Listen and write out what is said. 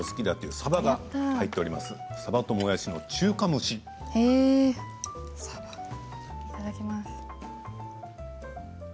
さばいただきます。